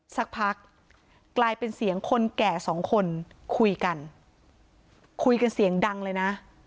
สักพักกลายเป็นเสียงคนแก่สองคนคุยกันคุยกันเสียงดังเลยนะ